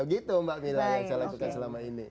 ya gitu mbak mila yang saya lakukan selama ini